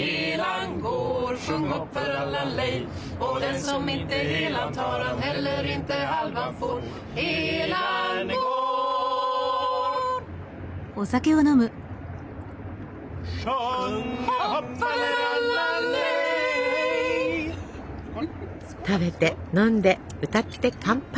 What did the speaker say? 食べて飲んで歌って乾杯。